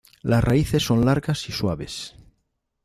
Las raíces son largas y suaves.